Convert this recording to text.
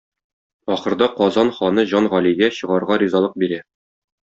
Ахырда Казан ханы Җан Галигә чыгарга ризалык бирә.